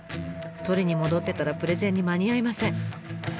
取りに戻ってたらプレゼンに間に合いません。